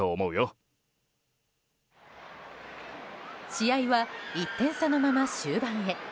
試合は１点差のまま終盤へ。